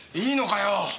いいのかよ！？